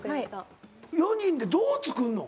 ４人でどう作るの？